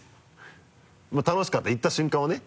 まぁ楽しかった言った瞬間はね。